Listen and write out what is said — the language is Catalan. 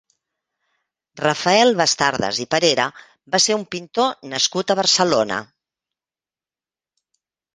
Rafael Bastardas i Parera va ser un pintor nascut a Barcelona.